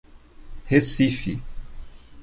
Recife